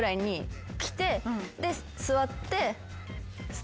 で座って。